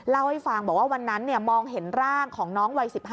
เล่าให้ฟังบอกว่าวันนั้นมองเห็นร่างของน้องวัย๑๕